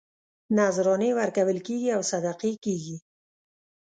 نذرانې ورکول کېږي او صدقې کېږي.